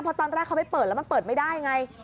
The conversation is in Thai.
เพราะตอนแรกเขาไปเปิดแล้วมันเปิดไม่ได้ไง